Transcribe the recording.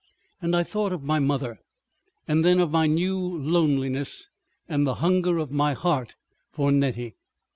... And I thought of my mother, and then of my new loneliness and the hunger of my heart for Nettie.